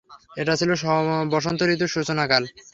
এটা ছিল বসন্ত ঋতুর সূচনাকাল।